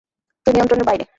তুই নিয়ন্ত্রণের বাইরে।